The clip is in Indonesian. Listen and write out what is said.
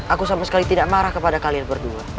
aku sama sekali tidak marah kepada kalian berdua